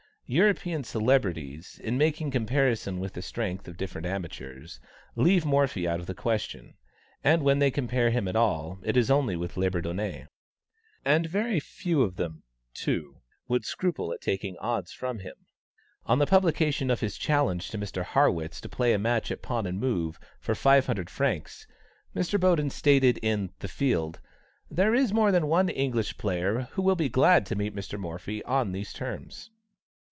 European celebrities, in making comparison of the strength of different amateurs, leave Morphy out of the question; and when they compare him at all, it is only with Labourdonnais. And very few of them, too, would scruple at taking odds from him. On the publication of his challenge to Mr. Harrwitz to play a match at pawn and move for 500 francs, Mr. Boden stated in The Field, "There is more than one English player who will be glad to meet Mr. Morphy on these terms."